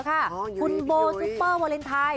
คุณโบซุปเปอร์วาเลนไทย